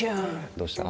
どうした？